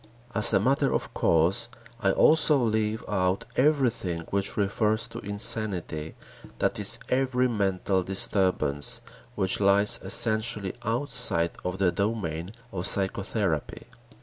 As a matter of course, I also leave out everything which refers to insanity, that is, every mental disturbance which lies essentially outside of the domain of psychotherapy.